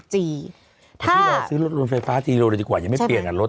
ถ้าถ้าเราซื้อรถยนต์ไฟฟ้าทีโดยดีกว่ายังไม่เปลี่ยนอ่ะรถ